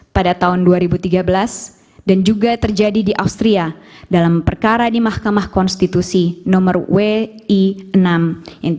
pada tahun dua ribu tiga belas dan juga terjadi di austria dalam perkara di mahkamah konstitusi nomor wi enam